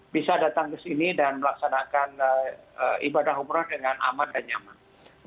bisa datang ke sini dan melaksanakan ibadah umroh dengan aman dan nyaman